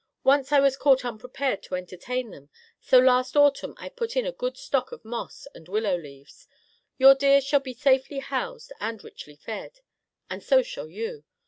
Once I was caught unprepared to entertain them, so last autumn I put in a good stock of moss and willow leaves. Your deer shall be safely housed and richly fed, and so shall you.